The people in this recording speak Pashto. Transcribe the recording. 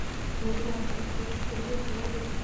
مېوې د افغانستان د ځایي اقتصادونو یو پیاوړی بنسټ دی.